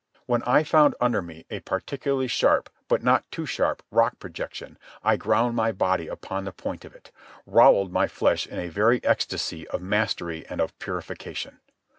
When I found under me a particularly sharp, but not too sharp, rock projection, I ground my body upon the point of it, rowelled my flesh in a very ecstasy of mastery and of purification.